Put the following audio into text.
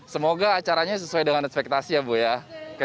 semoga acaranya sesuai dengan ekspektasi ya bu ya